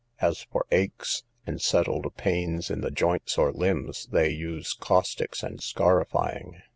As for aches, and settled pains in the joints or limbs, they use caustics and scarifying.